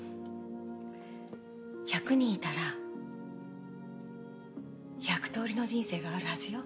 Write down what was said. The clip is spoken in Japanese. １００人いたら１００通りの人生があるはずよ。